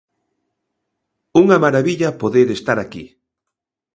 Unha marabilla poder estar aquí.